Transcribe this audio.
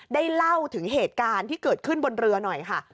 ได้เล่าถึงเหตุการณ์ที่เกิดขึ้นบนเรือหน่อยค่ะ